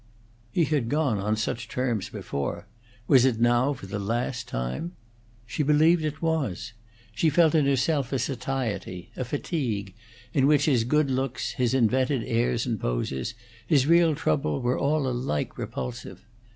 He had gone on some such terms before; was it now for the last time? She believed it was. She felt in herself a satiety, a fatigue, in which his good looks, his invented airs and poses, his real trouble, were all alike repulsive.